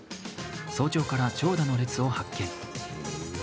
早朝から長蛇の列を発見。